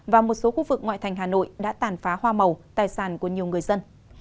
và một số khu vực ngoại thành hà nội đã tàn phá hoa màu tài sản của nhiều người dân